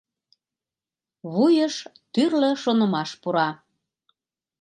Вуйыш тӱрлӧ шонымаш пура.